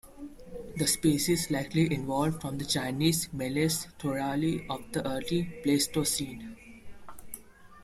The species likely evolved from the Chinese "Meles thorali" of the early Pleistocene.